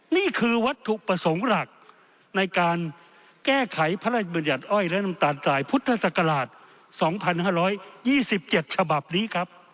นี่คือวัตถุประสงค์หลักในการแก้ไขพระราชบัญญัติอ้อยและน้ำตาลทรายพุทธศักราช๒๕๒๗ฉบับนี้ครับ